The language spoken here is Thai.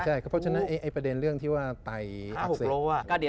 เพราะฉะนั้นไอ้ประเด็นเรื่องที่ว่าอับสิบห้าหกโลก